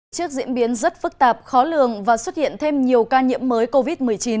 trước diễn biến rất phức tạp khó lường và xuất hiện thêm nhiều ca nhiễm mới covid một mươi chín